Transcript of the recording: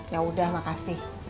ya udah makasih